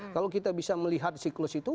kalau kita bisa melihat siklus itu